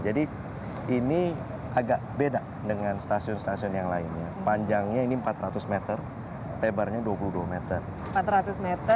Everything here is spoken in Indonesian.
jadi ini agak beda dengan stasiun stasiun yang lainnya panjangnya ini empat ratus m lebarnya dua puluh dua m empat ratus m